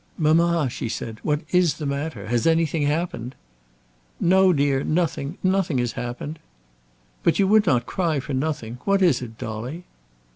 "Mamma," she said, "what is the matter; has anything happened?" "No, dear, nothing; nothing has happened." "But you would not cry for nothing. What is it, Dolly?"